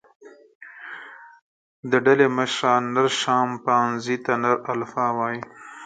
د ډلې مشره، نر شامپانزي ته نر الفا وایي.